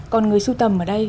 còn người siêu tầm ở đây